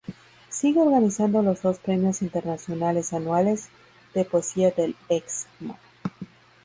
Sigue organizando los dos premios internacionales anuales de poesía del Excmo.